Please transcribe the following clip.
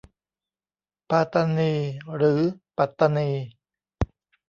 ปาตานีหรือปัตตานี